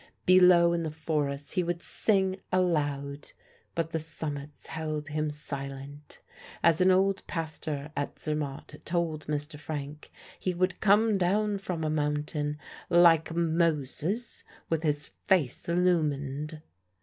Below in the forests he would sing aloud, but the summits held him silent. As an old pastor at Zermatt told Mr. Frank, he would come down from a mountain "like Moses, with his face illumined."